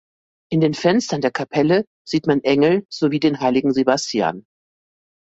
In den Fenstern der Kapelle sieht man Engel sowie den heiligen Sebastian.